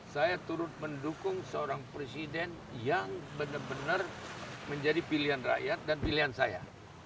saya turut mendukung seorang presiden yang benar benar menjadi pilihan rakyat dan pilihan saya